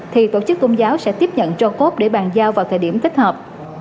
thì tổ chức công giáo sẽ tiếp nhận trò cốt để bàn giao vào thời điểm thích hợp